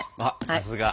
さすが！